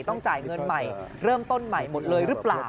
ต้องจ่ายเงินใหม่เริ่มต้นใหม่หมดเลยหรือเปล่า